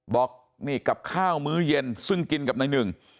บอกนี่กับข้าวมื้อเย็นซึ่งกินกับนายหนึ่ง